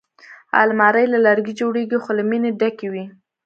الماري له لرګي جوړېږي خو له مینې ډکې وي